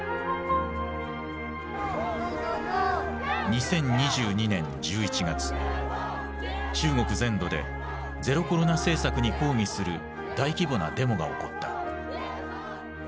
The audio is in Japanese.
２０２２年１１月中国全土でゼロコロナ政策に抗議する大規模なデモが起こった。